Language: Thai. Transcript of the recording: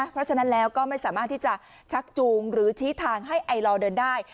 เพราะฉะนั้นแล้วก็ไม่สามารถที่จะชักจูงหรือชี้ทางให้ไอลอเดินได้